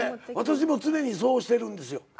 私も常にそうしてるんですよ。